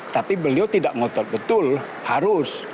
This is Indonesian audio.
tapi beliau tidak ngotot betul harus